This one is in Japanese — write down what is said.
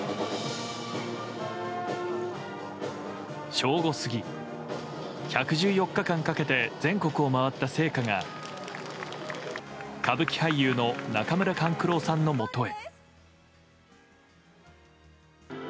正午過ぎ、１１４日間かけて全国を回った聖火が歌舞伎俳優の中村勘九郎さんのもとへ。